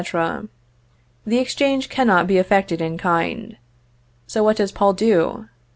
The exchange cannot be effected in kind; so what does Paul do?